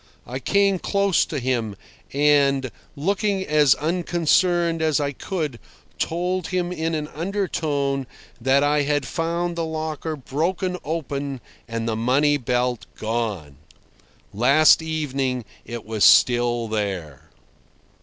I came close to him and, looking as unconcerned as I could, told him in an undertone that I had found the locker broken open and the money belt gone. Last evening it was still there.